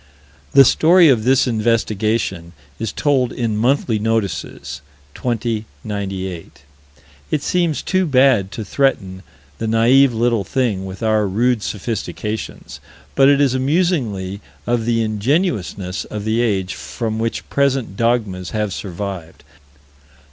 The story of this investigation is told in Monthly Notices, 20 98. It seems too bad to threaten the naïve little thing with our rude sophistications, but it is amusingly of the ingenuousness of the age from which present dogmas have survived.